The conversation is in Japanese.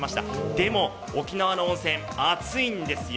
でも、沖縄の温泉、熱いんですよ。